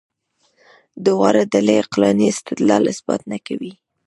دواړه ډلې عقلاني استدلال اثبات نه کوي.